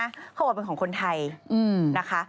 เขาบอกว่าเป็นของคนไทยนะคะ